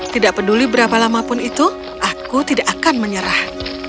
tidak peduli berapa lama pun itu aku tidak akan menyerah